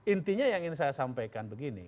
intinya yang ingin saya sampaikan begini